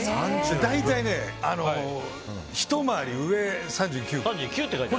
大体ひと回り上、３９。